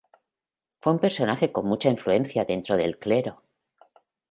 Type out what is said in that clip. Fue un personaje con mucha influencia dentro del clero.